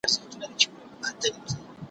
نه په كار مي دي تختونه هوسونه